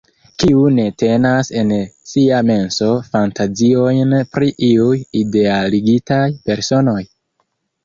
Kiu ne tenas en sia menso fantaziojn pri iuj idealigitaj personoj?